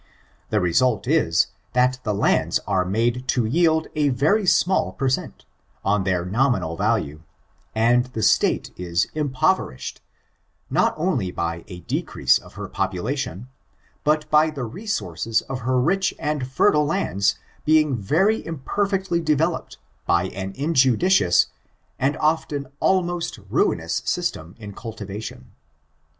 The result is, that the lands are made to yield a very small per cent, on their nominal value, and the state is impoverished, not only by a decrease of her population, but by the resources of her rich and fertile lands being very imperfectly developed by an injudicious and often almost ruinous system in cultivation.